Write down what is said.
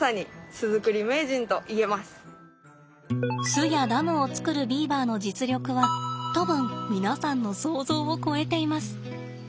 巣やダムを作るビーバーの実力は多分皆さんの想像を超えています。